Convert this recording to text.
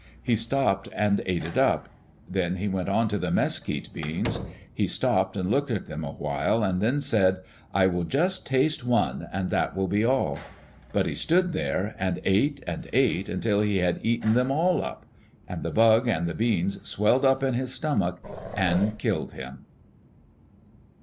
He stopped and ate it up. Then he went on to the mesquite beans. He stopped and looked at them a while, and then said, "I will just taste one and that will be all." But he stood there and ate and ate until he had eaten them all up. And the bug and the beans swelled up in his stomach and killed him.